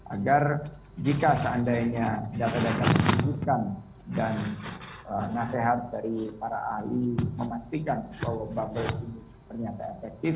agar jika seandainya data data dibutuhkan dan nasihat dari para ahli memastikan bahwa bubble ini ternyata efektif